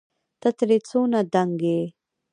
ته ترې څونه دنګ يې